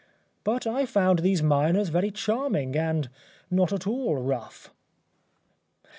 But I found these miners very charming and not at all rough.